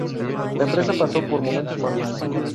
La empresa pasó por momentos malos.